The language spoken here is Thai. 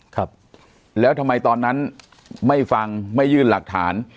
ครับแล้วทำไมตอนนั้นไม่ฟังไม่ยื่นหลักฐาน